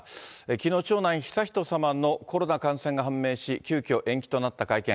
きのう、長男悠仁さまのコロナ感染が判明し、急きょ延期となった会見。